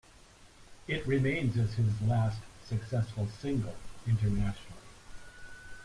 It remains as his last successful single internationally.